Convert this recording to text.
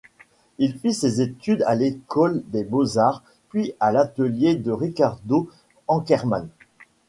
Il fit ses débuts à l'école des Beaux-Arts puis à l'atelier de Ricardo Anckerman.